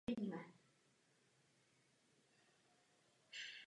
Proto by měla být možná určitá flexibilita.